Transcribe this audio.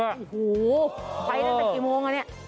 โอ้โหไปตั้งแต่กี่โมงอ่ะเนี่ย